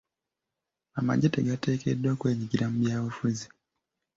Amagye tegateekeddwa kwenyigira mu byabufuzi.